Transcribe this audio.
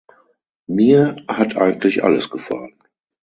Mir hat eigentlich alles gefallen.